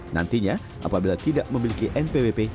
nantinya apabila tidak memiliki npwp